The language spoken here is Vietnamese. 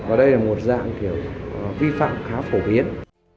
và đây là một dạng kiểu vi phạm khá phổ biến